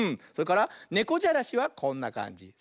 それからねこじゃらしはこんなかんじ。